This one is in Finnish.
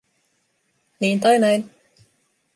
Niin tai näin.